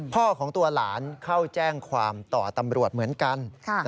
พ่อของตัวหลานเข้าแจ้งความต่อตำรวจเหมือนกัน